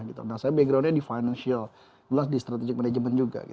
karena saya backgroundnya di financial juga di strategic management juga